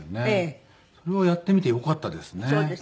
それはやってみてよかったですね。